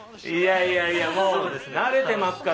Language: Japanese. いやいや、もう慣れてますから。